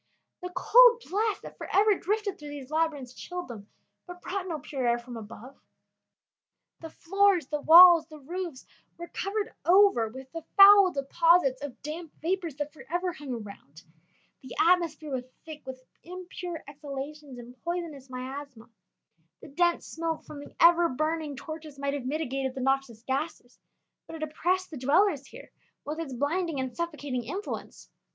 The cold blast that forever drifted through these labyrinths chilled them, but brought no pure air from above; the floors, the walls, the roofs, were covered over with the foul deposits of damp vapors that forever hung around; the atmosphere was thick with impure exhalations and poisonous miasma; the dense smoke from the ever burning torches might have mitigated the noxious gases, but it oppressed the dwellers here with its blinding and suffocating influence.